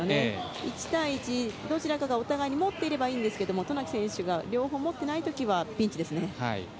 １対１、どちらかがお互い持っていればいいんですが渡名喜選手が両方持っていないほうはピンチです。